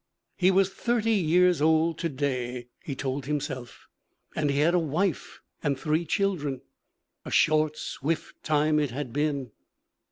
He was thirty years old to day, he told himself, and he had a wife and three children. A short swift time it had been!